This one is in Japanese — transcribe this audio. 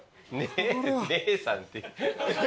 姉さんって。